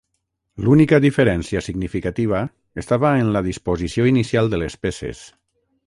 L'única diferència significativa estava en la disposició inicial de les peces.